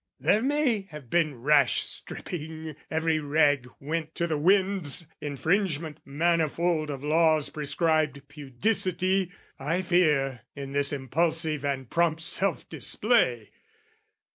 There may have been rash stripping every rag Went to the winds, infringement manifold Of laws prescribed pudicity, I fear, In this impulsive and prompt self display!